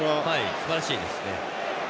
すばらしいですね。